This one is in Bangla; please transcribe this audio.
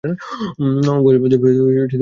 ঘরের প্রদীপ নিভাইয়া দিয়াছেন।